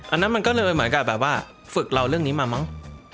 อันนั้นมันก็เลยเหมือนกับแบบว่าฝึกเราเรื่องนี้มามั้ง